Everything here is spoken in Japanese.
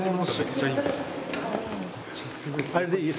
あれでいい？